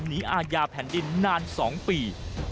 อาญาแผ่นดินนาน๒ปี